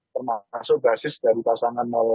termasuk basis dari pasangan satu